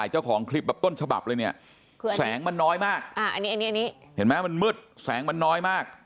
เห็นมั้ยมันมืดแสงมันน้อยมาก